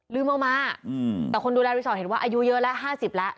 ลืมเอามาอืมแต่คนดูแลรีสอร์ทเห็นว่าอายุเยอะแล้วห้าสิบแล้ว